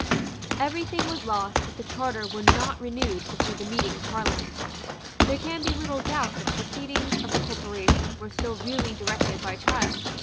Every thing was lost if the Charter were not renewed before the meeting of Parliament. There can be little doubt that the proceedings of the corporation were still really directed by Child.